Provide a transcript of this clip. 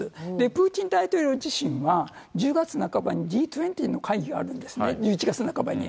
プーチン大統領自身は１０月半ばにＧ２０の会議あるんですね、１１月半ばに。